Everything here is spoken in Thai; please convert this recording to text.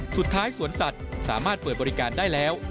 สวนสัตว์สามารถเปิดบริการได้แล้ว